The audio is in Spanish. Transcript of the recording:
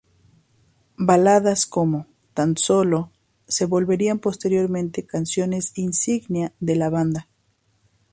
Baladas como "Tan Solo" se volverían posteriormente canciones insignia de la banda.